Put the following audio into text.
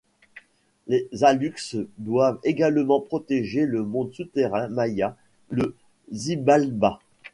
Les aluxes doivent également protéger le monde souterrain maya, le Xibalbá.